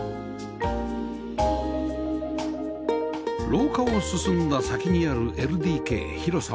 廊下を進んだ先にある ＬＤＫ 広さはおよそ１６畳